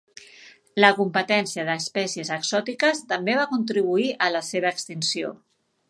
La competència d'espècies exòtiques també va contribuir a la seva extinció.